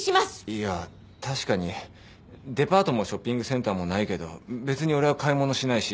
いや確かにデパートもショッピングセンターもないけど別に俺は買い物しないし。